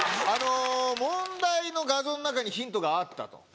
問題の画像の中にヒントがあったと。